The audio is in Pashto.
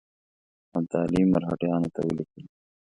ابدالي مرهټیانو ته ولیکل.